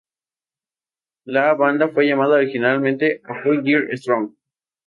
La banda fue llamada originalmente A Four Year Strong.